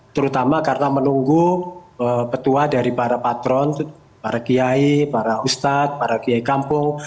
terutama karena menunggu petua dari para patron para kiai para ustadz para kiai kampung